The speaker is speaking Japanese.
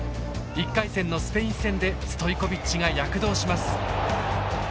１回戦のスペイン戦でストイコビッチが躍動します。